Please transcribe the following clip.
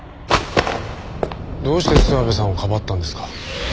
どうして諏訪部さんをかばったんですか？